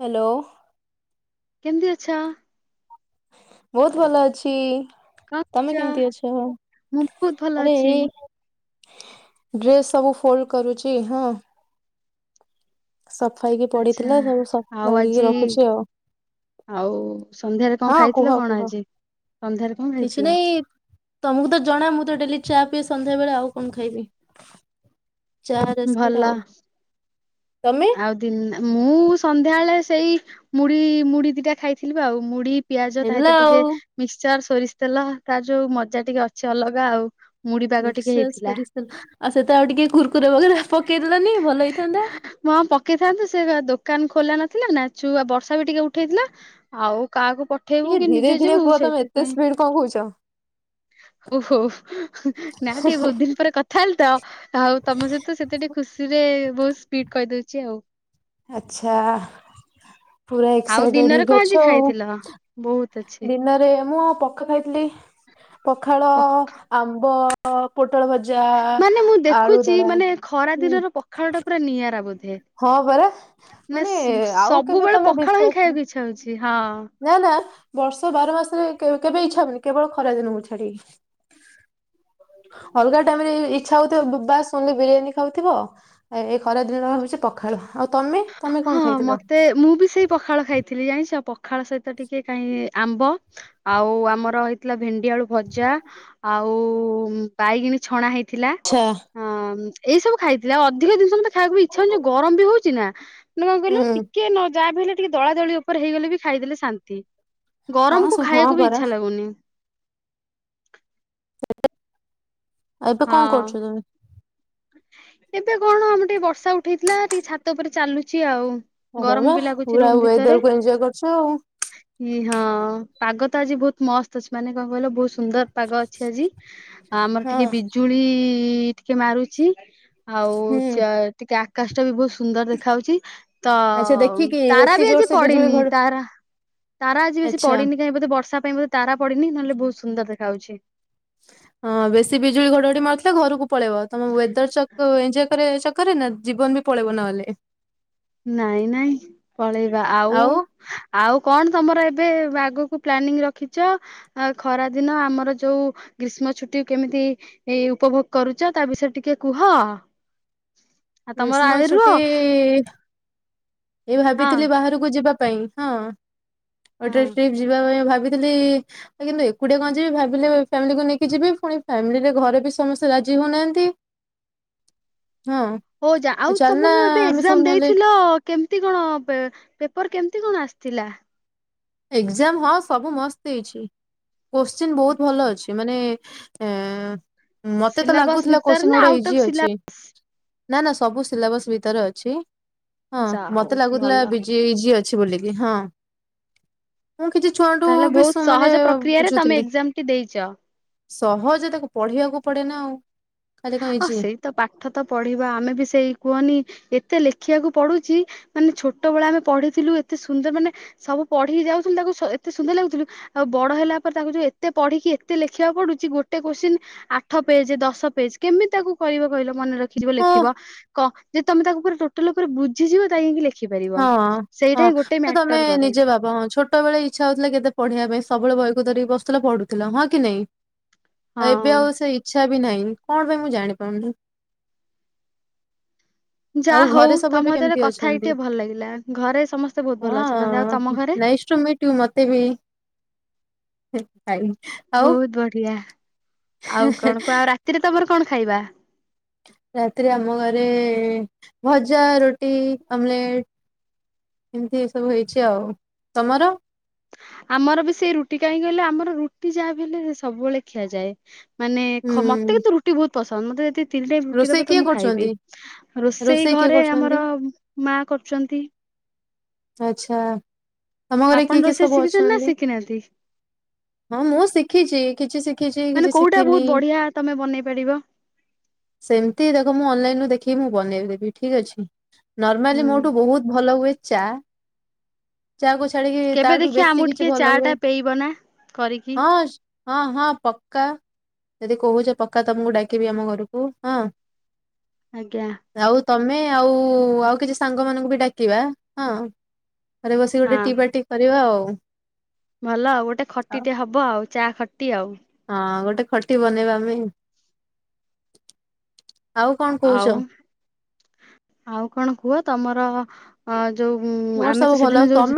Hello କେମତି ଅଛ? ବହୁତ ଭଲ ଅଛି କଣ କରୁଛ? ତମେ କେମିତି ଅଛ ମୁଁ ବହୁତ ଭଲ ଆରେ ଅଛି। ଏ ଡ୍ରେସ୍ ସବୁ ଫୋଲ୍ଡ କରୁଚି ହଁ। ସଫା ହେଇକି ଆଚ୍ଛା ପଡିଥିଲା ସବୁ ସ ଆଉ ଆଜି ଭାଙ୍ଗିକି ରଖୁଛି ଆଉ ଆଉ ସନ୍ଧ୍ୟାରେ କଣ ହଁ କୁହ ଖାଇଥିଲ କଣ କୁହ ଆଜି ସନ୍ଧ୍ୟାରେ କଣ କିଛି ଖାଇଥିଲ? ନାଇଁ ତମକୁ ତ ଜଣା ମୁଁ ତ ଡେଲି ଚା ପିଏ ସନ୍ଧ୍ୟାବେେଳେ ଆଉ କଣ ଖାଇବି। ଚା ବିସ୍କିଟ ଆଉ ତମେ ଦିନ୍ ମୁଁ ସନ୍ଧ୍ୟାବେଳେ ସେଇ ମୁଢି ମୁଢି ଦିଟା ଖାଇଥିଲି ବି ଆଉ ମୁଢ଼ି ପିଆଜ ତା ହେଲା ସହିତ ଆଉ ଟିକେ ମିକ୍ସଚର ସୋରିଷ ତେଲ ତାର ଯୋଉ ମଜା ଟିକେ ଅଛି ଅଲଗା ଆଉ ମୁଢି ପାଗ ଟିକେ ମିକ୍ସଚର ହେଇଥିଲା ସୋରିଷ ତେଲ ଆଉ ସହିତ ଆଉ ଟିକେ କୁର୍କୁରା ବଗେରା ପକେଇଦେଲନି ଭଲ ହେଇଥାନ୍ତା। ହଁ ପକେଇଥାନ୍ତୁ ସେ ଦୋକାନ ଖୋଲା ନଥିଲା ନା ଛୁଆ ବର୍ଷା ବି ଟିକେ ଉଠେଇଥିଲା। ଆଉ କାହାକୁ ପଠେଇବୁ ଟିକେ କି ଧୀରେ ନିଜେ ଧୀରେ ଯିବୁ କୁହ ତମେ ଏତେ ସେଇଥିପାଇଁ ସ୍ପିଡ କଣ କହୁଛ ଓହୋ ନା ଟିକେ ବହୁତ ଦିନ ପରେ କଥା ହେଲି ତ ଆଉ ତମ ସହିତ ସେତେ ଟିକେ ଖୁସିରେ ବହୁତ ସ୍ପିଡ କହିଦେଉଛି ଆଉ ଆଚ୍ଛା ପୁରା ଆଉ ଏକ୍ସାଇଟେଡ ଦିନରେ ହେଇକି କଣ ଆଜି ଅଛ ଆଉ ଖାଇଥିଲ? ବହୁତ ଅଛି ଦିନରେ ମୁଁ ଆଉ ପକ୍ ଖାଇଥିଲି ପଖାଳ ଆମ୍ବ ଅ ପୋଟଳ ଭଜା ମାନେ ମୁଁ ଦେଖୁଛି ଆଳୁଦଳା ମାନେ ଖରା ହୁଁ‌ ଦିନର ପଖାଳ ଟା ପୁରା ନିଆରା ବୋଧେ ପରା ନା ମାନେ ସେ ଆଉ କେବେ ସବୁବେଳେ ତମେ ପଖାଳ ହିଁ ବିଶ୍ୱାସ କର ଖାଇବାକୁ ଇ ଇଛା ହଉଛି ହଁ ନା ନା ବର୍ଷକ ବାର ମାସରେ କେବେ କେବେ ଇଚ୍ଛା ହବନି କେବଳ ଖରା ଦିନ କୁ ଛାଡିକି ଅଲଗା ଟାଇମ ରେ ଇ ଇଛା ହଉଥିବ ବାସ ଓନ୍ଲୀ ବିରିୟାନୀ ଖାଉଥିବ। ଏ ଏଇ ଖରାଦିନ ହଉଛି ପଖାଳ ଆଉ ତମେ ତମେ କଣ ହଁ ଖାଇଥିଲ? ମତେ ମୁଁ ବି ସେଇ ପଖାଳ ଖାଇଥିଲି ଜାଣିଛ ପଖାଳ ସହିତ ଟିକେ କାଇଁ ଆମ୍ବ ଆଉ ଆମର ହେଇଥିଲା ଭେଣ୍ଡି ଆଳୁ ଭଜା ଆଉ ବାଇଗିଣ ଛଣା ହେଇ ଥିଲା ଆଛା ଅ ଏଇ ସବୁ ଖାଇଥିଲା ଆଉ ଅଧିକ ଜିନିଷ ମତେ ଖାଇବାକୁ ଇଚ୍ଛା ହଉନି ଯଉ ଗରମ ବି ହଉଛି ନା। ମାନେ କଣ କହିଲୁ ହୁଁ ଟିକେ ନ ଯାହା ବି ହେଲେ ଟିକେ ଦଳା ଦଳି ଉପରେ ହେଇଗଲେ ବି ଖାଇଦେଲେ ଶାନ୍ତି। ହଁ ଗରମ ସ କୁ ହଁ ଖାଇବାକୁ ବି ପରା ଇଚ୍ଛା ଲାଗୁନି। ଆଉ ଏବେ ହଁ କଣ କରୁଛ ତମେ ଏବେ କଣ ଆମର ଟିକେ ବର୍ଷା ଉଠେଇଥିଲା ଟିକେ ଛାତ ଉପରେ ଚାଲୁଚି ଆଉ ଆରେ ଗରମ ବା ବି ଲାଗୁଚି ପୁରା ରୁମ ୱେଦର ଭିତରେ କୁ ଏଞ୍ଜୟ କରୁଛ ଆଉ ହି ହଁ ପାଗ ତ ଆଜି ବହୁତ ମସ୍ତ ଅଛି ମାନେ କଣ କହିଲ ବହୁତ ସୁନ୍ଦର ପାଗ ଅଛି ଆଜି ଆମର ହଁ ଟିକେ ବିଜୁଳି ଟିକେ ମାରୁଚି। ଆଉ ହୁଁ ଚା ଟିକେ ଆକାଶ ଟା ବି ବହୁତ ସୁନ୍ଦର ଦେଖା ହଉଛି। ତ ଆଚ୍ଛା ଦେଖିକି ତାରା ବେଶୀ ବି ଜୋର ଆଜି ସେ ବିଜୁଳି ପଡିନି ଘଡ ତାରା ତାରା ଆଜି ବେଶୀ ଆଚ୍ଛା ପଡିନି ନାଇଁ ବୋଧେ ବର୍ଷା ପାଇଁ ବୋଧେ ତାରା ପଡିନି ନହେଲେ ବହୁତ ସୁନ୍ଦର ଦେଖାଯାଉଛି। ହଁ ବେଶୀ ବିଜୁଳି ଘଡଘଡି ମାରୁଥିଲେ ଘରକୁ ପଳେଇବ ତମ ୱେଦର ଚ ଏନଜୟ କରେଇବା ଚକରରେ ନା ଜୀବନ ବି ପଳେଇବ ନହେଲେ। ନାଇଁ ନାଇଁ ପଳେଇବା ଆଉ ଆଉ କଣ ତମର ଏବେ ଆଗକୁ ପ୍ଲାନିଂ ରଖିଛ ଆ ଖରା ଦିନ ଆମର ଯୋଉ ଗ୍ରୀଷ୍ମ ଛୁଟି କେମିତି ଏଇ ଉପଭୋଗ କରୁଛ ତା ବିଷୟରେ ଟିକେ କୁହ ଆଉ ତମର ଆଇଉ ରୁହ କିଏ ଏ ହଁ ଭାବିଥିଲି ବାହାରକୁ ଯିବା ପାଇଁ ହଁ ଅଟ ହଁ ଟ୍ରିପ୍ ଯିବା ପାଇଁ ଭାବି ଥିଲି କିନ୍ତୁ ଏକୁଟିଆ କଣ ଯିବି ଭାବିଲି ଫ୍ୟାମିଲିକୁ ନେଇକି ଯିବି ପୁଣି ଫ୍ୟାମିଲିରେ ଘରେ ବି ସମସ୍ତେ ରାଜି ହଉନାହାନ୍ତି। ହ ହଁ। ହଉ ଯା ଆଉ ଚାଲନା ତମର ଯୋଉ ଏବେ ଆମେ ସବୁ ଏକ୍ସାମ ନହେଲେ ଦେଇଥିଲ କେମତି କଣ ପେ--ପେପର କେମତି କଣ ଆସିଥିଲା? ଏକ୍ସାମ୍ ହଁ ସବୁ ମସ୍ତ ହେଇଛି। କୋଶ୍ଚିନ୍ ବହୁତ ଭଲ ଅଛି। ମାନେ ଏ ମତେ ତ ସିଲାବସ୍ ଲାଗୁଥିଲା ଭିତରେ କୋଶ୍ଚିନ୍ ନା ଗୁଡା ଆଉଟ୍ ଅଫ୍ ଇଜି ସିଲା ଅଛି। ନା ନା ସବୁ ସିଲାବସ ଭିତରେ ଅଛି। ହଁ ଯା ହଉ ମତେ ଲାଗୁଥିଲା ଭଲ ବି ଇଜି ଇଜି ଅ ଅଛି ବୋଲିକି ହଁ। ମୁଁ କିଛି ଛୁଆଠୁ ତାହେଲେ ବି ବହୁତ ମାନେ ସହଜ ପ୍ରକ୍ରିୟାରେ ତମେ ବୁଝୁଥିଲି। ଏକ୍ଜାମ ଟି ଦେଇଚ। ସହଜ ତାକୁ ପଢ଼ିବାକୁ ପଡେ ନା ଆଉ। ଖାଲି କଣ ଆଉ ଇଜି ସେଇ ତ ପାଠ ତ ପଢ଼ିବା ଆମେ ବି ସେଇ କୁହନି ଏତେ ଲେଖିବାକୁ ପଡୁଛି ମାନେ ଛୋଟବେଳେ ଆମେ ପଢ଼ିଥିଲୁ ଏତେ ସୁନ୍ଦର ମାନେ ସବୁ ପଢ଼ିକି ଯାଉଥିଲୁ ତାକୁ ଏତେ ସୁନ୍ଦର ଲାଗୁଥିଲୁ ଆଉ ବଡ ହେଲା ପରେ ତାକୁ ଯୋଉ ଏତେ ପଢ଼ିକି ଏତେ ଲେଖିବାକୁ ପଡୁଛି ଗୋଟେ କୋଶ୍ଚିନ୍ ଆଠପେଜ, ଦଶପେଜ କେମିତି ତାକୁ କହିବ କହିଲ ମନେ ରଖିବ ହଁ ଲେଖିବ। କ ଯେ ତମେ ତାକୁ ପୁରା ଟୋଟାଲ ଉପରେ ବୁଝିଯିବ ଯାଇକି ଲେ ଲେଖିପାରିବ ହଁ ସେଇଟା ହଁ। ହିଁ ଗୋଟେ ସେ ତମେ ମ୍ୟାଟର କରେ। ନିଜେ ଭାବ ହଁ ଛୋଟ ବେଳେ ଇଚ୍ଛା ହଉଥିଲା କେତେ ପଢ଼ିବା ପାଇଁ ସବୁବେଳେ ବହିକୁ ଧରିକି ବୁସୁଥିଲ ପଢୁଥିଲ ହଁ କି ନାଇଁ? ଆଉ ହଁ ଏବେ ଆଉ ସେ ଇଚ୍ଛା ବି ନାହିଁ କଣ ପାଇଁ ମୁଁ ଜାଣିପାରୁନି। ଆଉ ଯାହା ହଉ ଘରେ ସବୁ ଏବେ ତମ ସହିତ କେମିତି କଥା ହେଇକି ଅଛନ୍ତି? ଟିକେ ଭଲ ଲାଗିଲା। ଘରେ ସମସ୍ତେ ବହୁତ ଭଲ ଅଛନ୍ତି ଆଉ ହଁ ତମ ଘରେ ନାଇସ୍ ଟୁ ମିଟ୍ ୟୁ ମତେ ବି। [unintelligible] ଆଉ ବହୁତ ବଢିଆ ଆଉ କଣ କୁହ? ଆଉ ରାତିରେ ତମର କଣ ଖାଇବା? ରାତିରେ ଆମ ଘରେ ଭଜା, ରୁଟି, ଅମଲେଟ। ଏମିତି ଏ ସବୁ ହେଇଛି ଆଉ। ତମର? ଆମର ବି ସେଇ ରୁଟି କାହିଁ କହିଲଲେ ଆମର ରୁଟି ଯାହାବି ହେଲେ ସବୁବେଳେ ଖିଆଯାଏ। ମାନେ ହୁଁ ଖ ମୋତେ କିନ୍ତୁ ରୁଟି ବହୁତ ପସନ୍ଦ ମୋତେ ଯଦି ତିନ ଟାଇମ ରୁଟି ରୋଷେଇ ଦବ ତ କିଏ ମୁଁ ଖାଇବି, କରୁଛନ୍ତି ରୋଷେଇ କିଏ ଘରେ କରୁଛନ୍ତି? ଆମର ମା କରୁଛନ୍ତି। ଆଚ୍ଛା। ତମ ଘରେ ଆପଣ କିଏ କିଏ ରୋଷେଇ ସବୁ ଶିଖିଛନ୍ତି ନା ଅଛନ୍ତି? ଶିଖିନାହାନ୍ତି? ହଁ ମୁଁ ଶିଖିଛି କିଛି ଶିଖିଛି ମାନେ କିଛି କୋଉଟା ବହୁତ ଶିଖିନି। ବଢିଆ ତମେ ବନେଇ ପାରିବ ସେମିତି ଦେଖ ମୁଁ ଅନଲାଇନ ରୁ ଦେଖିକି ମୁଁ ବନେଇ ଦେବି ଠିକ୍ ଅଛି। ହୁଁ। ନର୍ମାଲି ମୋ ଠୁ ବହୁତ ଭଲ ହୁଏ ଚା। ଚାହାକୁ ଛାଡିକି କେବେ ତାଠୁ ଦେଖିବା ଆମକୁ ବେଶୀ କିଛି ଟିକେ ଚା ଭଲ ଟା ହୁଏ। ପେଇବ ନା କରିକି ହଁ ହଁ, ହଁ ପକ୍କା। ଯଦି କହୁଛ ପକ୍କା ତମକୁ ଡାକିବି ଆମ ଘରକୁ ହଁ। ଆଜ୍ଞା। ଆଉ ତମେ ଆଉ ଆଉ କିଛି ସାଙ୍ଗ ମାନଙ୍କୁ ବି ଡାକିବା ହଁ। ଘରେ ବସିକି ଗୋଟେ ହଁ। ଟି ପାର୍ଟି କରିବା ଆଉ। ଭଲ ଆଉ ଗୋଟେ ଖଟି ଆଉ ଟେ ହବ ଆଉ ଚା ଖଟି ଆଉ। ହଁ ଗୋଟେ ଖଟି ବନେଇବା ଆମେ। ଆଉ କଣ କହୁଛ? ଆଉ, ଆଉ କଣ କୁହ ତମର ହଁ ଯୋଉ ଆମେ ତ ସେଦିନ ଯୋଉ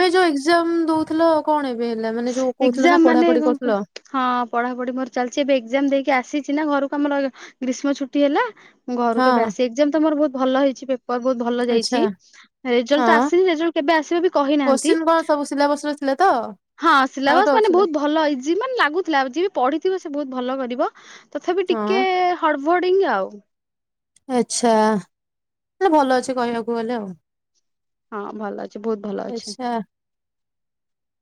ଏକ୍ସମ୍ ଦଉଥିଲ କଣ ଏବେ ହେଲା ମାନେ ଯୋଉ କହୁଥିଲ ଏକ୍ଜାମ ନା ମାନେ ପଢ଼ାପଢ଼ି କଣ କ କରୁଥିଲ? ହଁ ପଢ଼ାପଢ଼ି ମୋର ଚାଲିଛି ଏବେ ଏକ୍ଜାମ ଦେଇକି ଆସିଛି ନା ଘରକୁ ଆମର ଗ୍ରୀଷ୍ମ ଛୁଟି ହେଲା। ମୁଁ ହଁ ଘରୁକୁ ଏବେ ଆସି ଏକ୍ସାମ୍ ତ ମୋର ବହୁତ ଭଲ ହେଇଛି। ମୋର ବହୁତ ଭଲ ଆଚ୍ଛା ଯାଇଛି। ରେଜଲ୍ଟ ତ ହଁ ଆସିନି ରେଜଲ୍ଟ କେବେ ଆସିବ ବି କହିନାହାନ୍ତି। କୋଶ୍ଚିନ୍ କଣ ସବୁ ସିଲାବସରେ ଥିଲେ ତ? ହଁ ଆଉଟ୍ ସିଲାବସ ଅଫ୍ ମାନେ ସିଲା ବହୁତ ଭଲ ହେଇଛି, ମାନେ ଲାଗୁଥିଲା ଯିଏ ବି ପଢିଥିବ ସେ ବହୁତ ଭଲ କରିବ। ତଥାପି ଟିକେ ହଁ ହଡ଼ଭଡିଙ୍ଗ ଆଉ। ଆଛା ହେଲେ ଭଲ ଅଛି କହିବାକୁ ଗଲେ ଆଉ। ହଁ ଭଲ ଅଛି, ବହୁତ ଭଲ ଅଛି। ଆଚ୍ଛା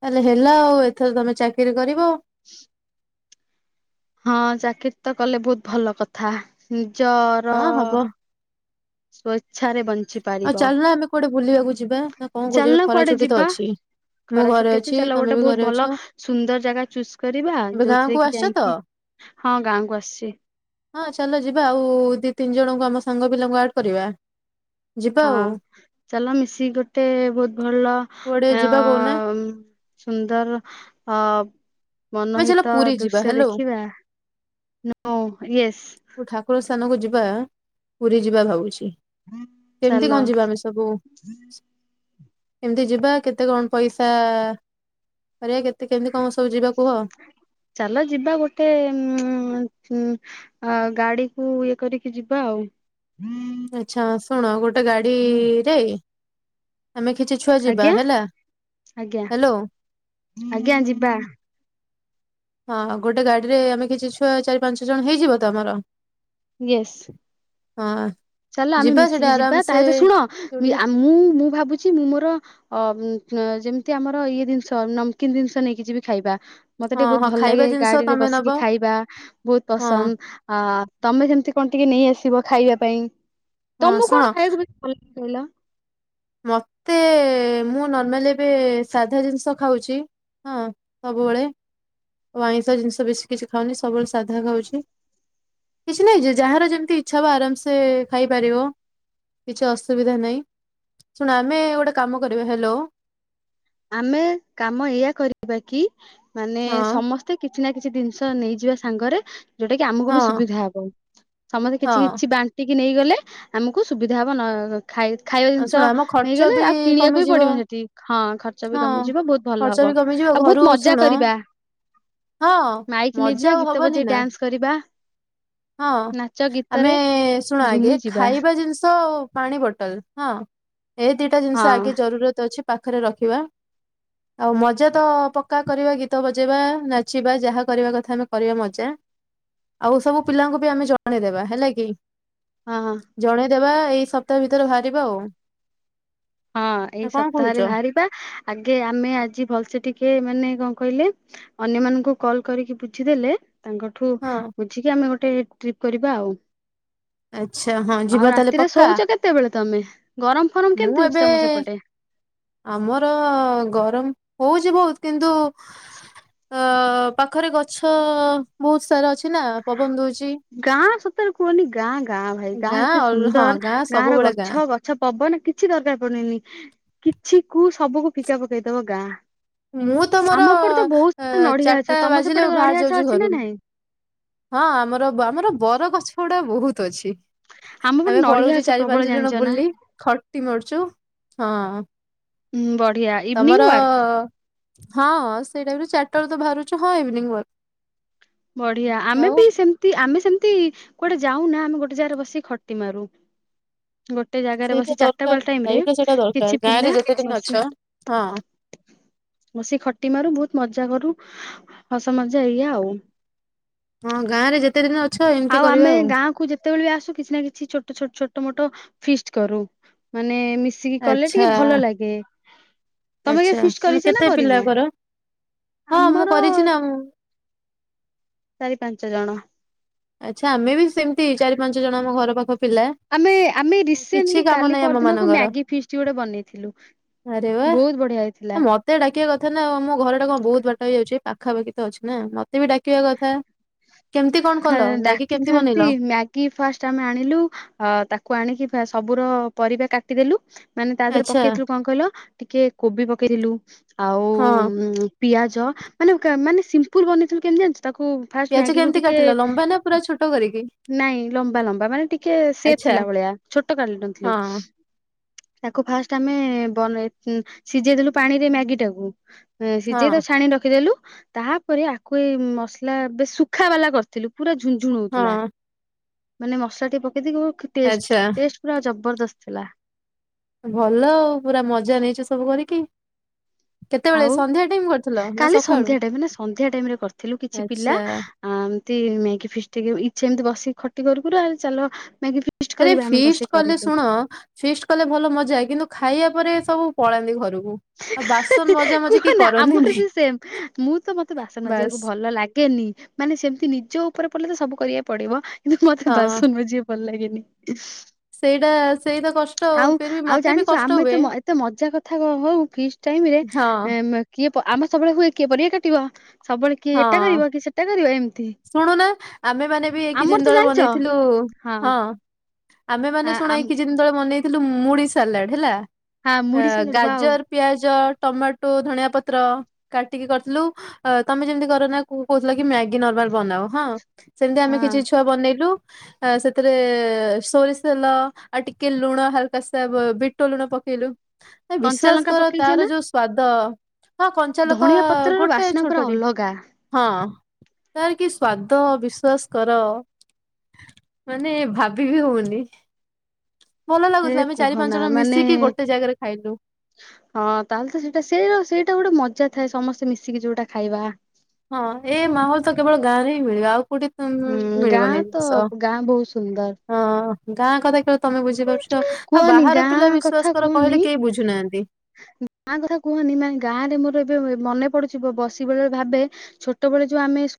ତାହେଲେ ହେଲା ଆଉ ଏଥର ତମେ ଚାକିରି କରିବ। [inaudible] ହଁ ଚାକିରି ତ କଲେ ବହୁତ ଭଲ କଥା, ନିଜର ହଁ ହବ [unintelligible] ଇଚ୍ଛାରେ ବଞ୍ଚି ଆଉ ପାରିବ, ଚାଲୁନ ଆମେ କୁଆଡେ ବୁଲିବାକୁ ଯିବା ନା କଣ କହୁଛ ଚାଲୁନ ଖରା କୁଆଡେ ଛୁଟି ତ ଯିବା? ଅଛି। ମୁଁ ଖରା ଘରେ ଛୁଟି ଅଛି ଚାଲ ତମେ ଗୋଟେ ବି ବହୁତ ଘରେ ଅଛ ଭଲ ସୁନ୍ଦର ଜାଗା ଚୁଜ କରିବା, ଏବେ ଯୋଉଥିରେ ଗାଁକୁ କି ଆସିଛ ତ? ଯାଇକି ହଁ ଗାଁକୁ ଆସିଛି। ହଁ ଚାଲ ଯିବା ଆଉ ଦି ତିନି ଜଣଙ୍କୁ ଆମ ସାଙ୍ଗ ପିଲାଙ୍କୁ ଆଡ କରିବା। ଯିବା ଆଉ। ହଁ ଚାଲ ମିଶିକି ଗୋଟେ ବହୁତ ଭଲ କୁଆଡେ ଯିବା କହୁନା ଆଁ ସୁନ୍ଦର ଆଁ ଆମେ ଚାଲ ମନୋହିତ ପୁରୀ ଯିବା ଦୃଶ୍ୟ ହେଲୋ ଦେଖିବା, ନୋ ୟେସ କଉ ଠାକୁର ସ୍ଥାନକୁ ଯିବା ପୁରୀ ଯିବା ଭାବୁଛି। କେମିତି ଚାଲ କଣ ଯିବା ଆମେ ସବୁ? କେମିତି ଯିବା, କେତେ କଣ ପଇସା କରିବା କେତେ କେମିତି କଣ ସବୁ ଯିବା କୁହ? ଚାଲ ଯିବା ଗୋଟେ ଉ [unintelligible] ଆ ଗାଡିକୁୁ ଇଏ କରିକି ଯିବା ଆଉ। ଆଛା ଶୁଣ ଗୋଟେ ଗାଡିରେ ଆମେ କିଛି ଛୁଆ ଯିବା ଆଜ୍ଞା ହେଲା, ଆଜ୍ଞା ହ୍ୟାଲୋ। ଆଜ୍ଞା ଯିବା। ହଁ ଗୋଟେ ଗାଡିରେ ଆମେ କିଛି ଛୁଆ ଚାରି ପାଞ୍ଚ ଜଣ ହେଇଯିବ ତ ଆମର। ଇଏସ୍। ହଁ। ଚାଲ ଆମେ ଯିବା ସେଠି ମିଶିକି ଯିବା ଆରାମସେ ତାହେଲେ ଶୁଣ ଯୋଉଠି ମୁଁ, ମୁଁ ଭାବୁଛି ଅଛି ମୁଁ ମୋର ଯେମିତି ଆମର ଇଏ ଜିନିଷ ନମକିନ ଜିନିଷ ନେଇକି ଜିବି ଖାଇବା। ମତେ ହଁ ଟିକେ ହଁ ବହୁତ ଭଲ ଖାଇବା ଲାଗେ ଜିନିଷ ଗାଡିରେ ତମେ ନବ ବସିକି ଖାଇବା ବହୁତ ହଁ ପସନ୍ଦ। ହ ତମେ ଯେମତି କଣ ଟିକେ ନେଇ ଆସିବ ଖାଇବା ପାଇଁ। ହଁ ତମକୁ ଶୁଣ କଣ ଖାଇବାକୁ ବେଶୀ ଭଲ ଲାଗେ କହିଲ? ମତେ ମୁଁ ନର୍ମାଲି ଏବେ ସାଧା ଜିନିଷ ଖାଉଛି। ହଁ ସବୁବେଳେ ଆଉ ଆଇଁଷ ଜିନିଷ ବେଶୀ କିଛି ଖାଉନି ସବୁବେଳେ ସାଧା ଖାଉଛି। କିଛି ନାହିଁ ଯେ ଯାହାର ଯେମିତି ଇଚ୍ଛା ହବ ଆରାମସେ ଖାଇପାରିବ। କିଛି ଅସୁବିଧା ନାହିଁ। ଶୁଣ ଆମେ ଗୋଟେ କାମ କରିବା, ହ୍ୟାଲୋ ଆମେ କାମ ଏଇଆ କରିବା କି ମାନେ ହଁ ସମସ୍ତେ ସେଠି କିଛି ନା କିଛି ଜିନିଷ ନେଇଯିବା ସାଙ୍ଗରେ। ଯୋଉଟା କି ଆମକୁ ବି ହଁ ସୁବିଧା ହବ। ସମସ୍ତେ କିଛି ହଁ କିଛି ବାଣ୍ଟି ବାଣ୍ଟିକି ନେଇଗଲେ ଆମକୁ ସୁବିଧା ହବ ନ ଖାଇ ଖାଇବା ଆଉ ଜିନିଷ ଶୁଣ ଆମ ଖର୍ଚ୍ଚ ନେଇଗଲେ ବି ଆଉ କିଣିବାକୁ ବି କମିଯିବ ପଡିବନି ସେଠି, ହଁ ଖର୍ଚ୍ଚ ବି ହଁ କମିଯିବ ବହୁତ ଭଲ ହବ। ଖର୍ଚ୍ଚ ବି କମିଯିବ ଆଉ ବହୁତ ଘରୁ ମଜା ଶୁଣ କରିବା ହଁ ମାଇକି ମଜା ନେଇଯିବା ଆଉ ଗୀତ ହବନି ବଜେଇ ନା। ଡ୍ୟାନ୍ସ କରିବା ହଁ ନାଚ ଗୀତରେ ଆମେ ଶୁଣ ଆଗେ ଝୁମିଯିବା ଖାଇବା ଜିନିଷ, ପାଣି ବୋଟଲ ହଁ ଏଇ ଦିଟା ଜିନିଷ ହଁ ଆଗେ ଜରୁରତ ଅଛି। ପାଖରେ ରଖିବା। ଆଉ ମଜା ତ ପକ୍କା କରିବା ଗୀତ ବଜେଇବା, ନାଚିବା ଯାହା କରିବା କଥା ଆମେ କରିବା ମଜା। ଆଉ ସବୁ ପିଲାଙ୍କୁ ବି ଆମେ ଜଣେଇଦେବା ହେଲା କି? ହଁ। ଜଣେଇଦେବା ଏଇ ସପ୍ତାହ ଭିତରେ ବାହାରିବା ଆଉ। ହଁ ଏଇ ଆଉ କଣ କହୁଛ ସପ୍ତାହରେ ଭାରିବା ଆଗେ ଆମେ ଆଜି ଭଲସେ ଟିକେ ମାନେ କଣ କହିଲେ ଅନ୍ୟମାନଙ୍କୁ କଲ କରିକି ବୁଝିଦେଲେ ତାଙ୍କଠୁ ହଁ ବୁଝିକି ଆମେ ଗୋଟେ ଟ୍ରିପ୍ କରିବା ଆଉ। ଆଚ୍ଛା ହଁ ଆଉ ଯିବା ତାହେଲେ ରାତିରେ ପକ୍କା ଶୋଉଚ କେତେବେଳେ ତମେ, ଗରମ ଫରମ ମୁଁ କେମତି ହଉଚି ଏବେ ତମ ସେପଟେ? ଆମର ଗରମ ହଉଚି ବୋହୁତ୍ କିନ୍ତୁ ଅ ପାଖରେ ଗଛ ବହୁତ୍ ସାରା ଅଛି ନା ପବନ ଦଉଚି। ଗାଁ ସତରେ କୁହନି ଗାଁ ଗାଁ ଭାଇ। ଗାଁ ଏତେ ସୁନ୍ଦର ଗାଁ ର ଗଛ ଗ ଗଛ ପବନ କିଛି ଦରକାର ପଡୁନନି କିଛି କୁ ସବୁକୁ ଫିକା ପକେଇଦବ ଗାଁ। ମୁଁ ତ ମୋର ଆମ ଏପଟେ ତ ବହୁତ୍ ଅ ସାରା ନଡିଆ ଚାରିଟା ଗଛ। ତମ ବାଜିଲେ ସେପଟେ ବାହାରି ନଡିଆ ଗଛ ଯାଉଛି ଅଛି ଘରୁ। ନା ନାଇଁ? ହଁ ଆମର ଆମର ବର ଗଛ ଗୁଡା ବହୁତ୍ ଅଛି। ଆମ ପଟେ ଆମେ ନଡିଆ ପଳଉଚୁ ଗଛ ଚାରି ପ୍ରବଳ ପାଞ୍ଚ ଜଣ ଜାଣିଛ ନା? ବୁଲି ଖଟି ମାରୁଚୁ। ହଁ। ଉଁ ବଢିଆ। ଇଭିନିଂ ତମର ୱାର୍କ? ହଁ ସେଇ ଟାଇପ୍ ର ଚାରିଟାରୁ ତ ଭାରୁଚୁ ହଁ ଇଭିନିଂ ୱାର୍କ। ବଢିଆ, ଆମେ ଆଉ ବି ସେମତି ଆମେ ସେମତି କୁଆଡେ ଯାଉନା ଆମେ ଗୋଟେ ଜାଗାରେ ବସିକି ଖଟି ମାରୁ। ଗୋଟେ ଜାଗାରେ ସେଇଟା ବସି ଚାରିଟା ଦରକାର ବେଳ ଟାଇମ୍ ରେ ଲାଇଫରେ ସେଇଟା ଦରକାର କିଛି ପିଲା ଗାଁରେ ଯେତେ ଦିନ ଅଛ ବସି ହଁ ବସି ଖଟି ମାରୁ, ବହୁତ୍ ମଜା କରୁ, ହସ ମଜା ଏଇଆ ଆଉ। ହଁ ଗାଁ ରେ ଯେତେ ଦିନ ଅ ଆଉ ଆମେ ଗାଁକୁ ଯେ ଯେତେବେଳେ ବି ଆସୁ କିଛି ନା କିଛି ଛୋଟ ଛୋଟ ଛୋଟ ମୋଟ ଫିଷ୍ଟ କରୁ ମାନେ ମିଶିକି କଲେ ଆଚ୍ଛା ଟିକେ ଭଲ ଲାଗେ। ତମେ କେବେ ଆଚ୍ଛା ଫିଷ୍ଟ ତମେ କରିଚ ନା କେତେ ପିଲା କରିନା? କର? ହଁ ମୁଁ ଆମର କରିଛି ନା ମୁଁ ଚାରି ପାଞ୍ଚ ଜଣ। ଆଚ୍ଛା, ଆମେ ବି ସେମିତି ଚାରି ପାଞ୍ଚ ଜଣ ଆମ ଘର ପାଖ ପିଲା ଆମେ ଆମେ ରିସେଣ୍ଟଲି କିଛି କାମ କାଲି ନାହିଁ ଆମ ପରଦିନକୁ ମାନଙ୍କର। ମ୍ୟାଗି ଫିଷ୍ଟ୍ ଗୋଟେ ବନେଇଥିଲୁ। ଆରେ ବା ବହୁତ୍ ବଢିଆ ହେଇଥିଲା। ମତେ ଡାକିଆ କଥା ନା ଆଉ। ମୋ ଘର ଟା କଣ ବହୁତ୍ ବାଟ ହେଇଯାଉଚି ଏଇ ପାଖାପାଖି ତ ଅଛି ନା ମତେ ବି ଡାକିଆ କଥା। କେମତି କଣ? ଖା କଲ ମ୍ୟାଗି କେମିତି ଡାକିଥାନ୍ତି ବନେଇଲ ମ୍ୟାଗ କି ଫାଷ୍ଟ୍ ଆମେ ଆଣିଲୁ। ଅ ତାକୁ ଆଣିକି ସବୁର ପରିବା କାଟିଦେଲୁ। ମାନେ ତା ଦେହେରେ ଆଚ୍ଛା ପକେଇଥିଲୁ କଣ କହିଲ? ଟିକେ କୋବି ପକେଇଥିଲୁ ଆଉ ହଁ। ଉଁ ପିଆଜ ମାନେ ମାନେ ସିମ୍ପୁଲ ବନେଇଥିଲୁ କେମିତି ଜାଣିଚ? ତାକୁ ଫାଷ୍ଟ୍ ମ୍ୟାଗି କୁ ଟି ଥିଲା ଲମ୍ବା ନା ପୁରା ଛୋଟ। କରିକି। ନାଇଁ, ଲମ୍ବା ଲମ୍ବା ମାନେ ଟିକେ ସେପ୍ ଆଚ୍ଛା ଥିଲା ଭଳିଆ ଛୋଟ କାଟି ନ ଥିଲୁ। ହଁ ତାକୁ ଫାଷ୍ଟ୍ ଆମେ ବନ୍ ସିଝେଇ ଦେଲୁ ପାଣିରେ ମ୍ୟାଗି ଟାକୁ। ହଁ ସିଝେଇ ତାକୁ ଛାଣି ରଖିଦେଲୁ। ତାପରେ ଆକୁ ଏଇ ମସଲା ଏବେ ଶୁଖା ବାଲା କରିଥିଲୁ। ପୁରା ଝୁଣ ଝୁଣ ହଉଥିଲା। ହଁ। ମାନେ ମସଲା ଟିକେ ପକେଇ ଦେଇକି ଓଃ କି ଆଚ୍ଛା ଟେଷ୍ଟ ଟେଷ୍ଟ ପୁରା ଜବରଦସ୍ତ ଥିଲା। ଭଲ ଆଉ ପୁରା ମଜା ନେଇଛ ସବୁ କରିକି। କେତେବେଳେ ଆଉ ସନ୍ଧ୍ୟା ଟାଇମ କରିଥିଲ ନା କାଲି ସକାଳୁ ସନ୍ଧ୍ୟା ଟାଇମ୍ ସନ୍ଧ୍ୟା ଟାଇମ୍ ରେ କରିଥିଲୁ କିଛି ପିଲା। ଆଚ୍ଛା। ଆ ଏମତି ମ୍ୟାଗି ଫିଷ୍ଟ୍ ଟିକେ ଇଛା ଏମତି ବସିକ ଖଟି କରୁ କରୁ ଆ ଚାଲ ମ୍ୟାଗି ଫି ଆରେ ଫିଷ୍ଟ କଲେ ଶୁଣ। ଫିଷ୍ଟ କଲେ ଭଲ ମଜା କିନ୍ତୁ ଖାଇବା ପରେ ସବୁ ପଳାନ୍ତି ଘରକୁ। ଆଉ ବାସନ ମଜା ମଜି କି କୁହନା ଆମର କରନ୍ତିନି ବି ସେମ ମୁଁ ତ ମତେ ବାସନ ମାଜିବାକୁ ବାସ୍ ଭଲ ଲାଗେ ନି ମାନେ ସେମିତି ନିଜ ଉପରେ ପଡ଼ିଲେ ତ ସବୁ କରିବାକୁ ପଡିବ କିନ୍ତୁ ମତେ ହଁ। ବାସନ ମାଜିବା ଭଲ ଲାଗେନି। ସେଇଟା ସେଇତ କଷ୍ଟ ଆଉ ଫିର ବି ଆଉ ମତେ ବି ଜାଣିଛ କଷ୍ଟ ଆମେ ହୁଏ ଏତ ଏତେ ମଜା କଥା ହଉ। କିସ୍ ଟାଇମ୍ ରେ ହଁ କିଏ ଆମେ ସବୁବେଳେ ହୁଏ କିଏ ପରିବା କାଟିବ ସବୁବେଳେ କିଏ ହଁ ଏଟା କରିବ କିଏ ସେଟା କରିବ ଏମିତି ଶୁଣୁ ନା ଆମ୍ଭେମାନେ ବି ଏ କିଛି ଆମର ଦିନ ତ ତଳେ ଜାଣିଛ ବନେଇଥିଲୁ ହଁ। ଆମ୍ଭେମାନେ ଆ- ଶୁଣ ଏଇ ଆମ୍- କିଛି ଦିନ ତଳେ ବନେଇଥିଲୁ ମୁଢି ସାଲାଡ ହେଲା ହଁ ମୁଢି ସାଲଡ ୱାଓ ଗାଜର ପିଆଜ ଟମାଟୋ ଧଣିଆ ପତ୍ର କାଟିକି କରିଥିଲୁ ଅ ତମେ ଯେମିତି କର ନା କହୁଥିଲ କି ମ୍ୟାଗି ନର୍ମାଲ ବନାଅ ହଁ ସେମିତି ଆମେ ହଁ କିଛି ଛୁଆ ବନେଇଲୁ। ଆ ସେଥିରେ ସୋରିଷ ତେଲ ଆ ଟିକେ ଲୁଣ ହାଲକାଶା ବିଟ ଲୁଣ ପକେଇଲୁ। କଞ୍ଚା ବିଶ୍ଵାସ ଲଙ୍କା କର ପକେଇଛ ତାର ନା ଯୋଉ ସ୍ଵାଦ ହଁ କଞ୍ଚା ଲୋକ ଧଣିଆ ପତ୍ରର ଗୋଟେ ବାସ୍ନା ଛୋଟଟେ। [unintelligible] ହଁ ତାର କି ସ୍ଵାଦ ବିଶ୍ଵାସ କର। ମାନେ ଭାବିିବି ହଉନି। ଭଲ ହେ ଲାଗୁଥିଲା ଆମେ ଚାରି ପାଞ୍ଚ କୁହନା ଜଣ ମାନେ ମିଶିକି ଗୋଟେ ଜାଗାରେ ଖାଇଲୁ। ହଁ ତାହେଲେ ତ ସେଇଟା ସେଇ ସେଇଟା ଗୋଟେ ମଜା ଥାଏ ସମସ୍ତେ ମିଶିକି ଯୋଉଟା ଖାଇବା। ହଁ ଏ ମାହଲ ତ କେବଳ ଗାଁରେ ମିଳିବ ଆଉ କୋଉଠି ତୁମ ହୁଁ ମିଳିବନି ଗାଁ ତ ଜିନିଷ। ଗାଁ ବହୁତ ସୁନ୍ଦର। ହଁ ଗାଁ କଥା କେ ତମେ ବୁଝିପାରୁଛ ଆଉ କୁହନି ବାହାର ପିଲା ଗାଁ କଥା ବିଶ୍ୱାସ କର କୁହନି କହିଲେ କେହି ବୁଝୁନାହାନ୍ତି। ଗାଁ କଥା କୁହନି ମାନେ ଗାଁ ରେ ମୋର ଏବେ ମନେ ପଡୁଛି ବସି ବେଳେ ଭାବେ। ଛୋଟବେଳେ ଯୋଉ ଆମେ